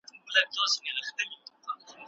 ولسي ارزښتونو ته پکې درناوی ونه شو.